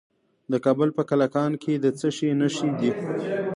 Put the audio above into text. د کابل په کلکان کې د څه شي نښې دي؟